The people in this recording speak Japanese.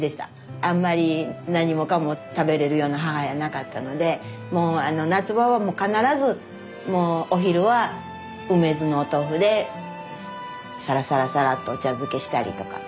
あんまり何もかも食べれるような母やなかったのでもう夏場はもう必ずお昼は梅酢のお豆腐でさらさらさらっとお茶漬けしたりとかそういう感じで。